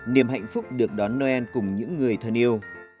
niềm hạnh phúc được đón noel cùng những người thân yêu